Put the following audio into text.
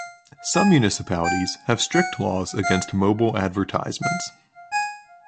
Some municipalities have strict laws against mobile advertisements.